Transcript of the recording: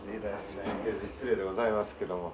夕景で失礼でございますけども。